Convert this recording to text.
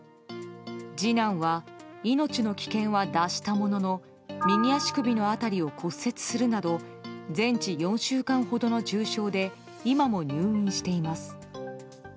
次男は命の危険は脱したものの右足首の辺りを骨折するなど全治４週間ほどの重傷で今も入院しています。